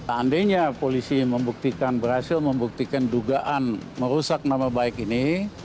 andainya polisi berhasil membuktikan dugaan merusak nama baik ini